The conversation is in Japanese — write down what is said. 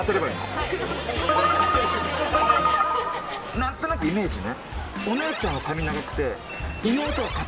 何となくイメージね。